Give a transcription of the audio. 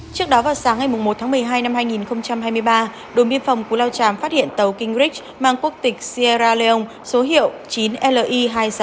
trước đó vào sáng ngày một tháng một mươi hai năm hai nghìn hai mươi ba đồn biên phòng cù lao tràm phát hiện tàu kingrix mang quốc tịch sierra leone số hiệu chín li hai nghìn sáu trăm bảy mươi bốn